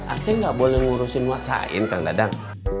aceh nggak boleh ngurusin wasain kang dadang